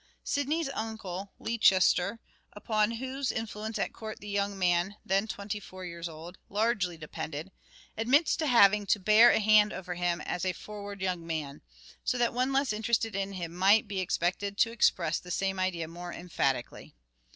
Sidney's uncle, Leicester, upon whose inflenuce at court the young man (then twenty four years old) largely depended, admits having to " bear a hand over him as a forward young man," so that one less interested in him might be expected to express the same idea more emphatically.